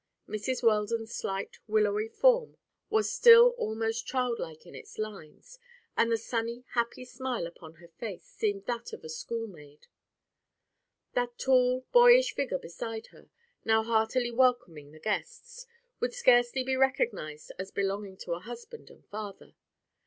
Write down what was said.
Mrs. Weldon's slight, willowy form was still almost childlike in its lines, and the sunny, happy smile upon her face seemed that of a school maid. That tall, boyish figure beside her, now heartily welcoming the guests, would scarcely be recognized as belonging to a husband and father.